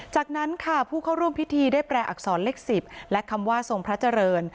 จากนั้นค่ะผู้เข้าร่วมพิธีได้แปลอักษรเลข๑๐และคำว่าทรงพระเจริญ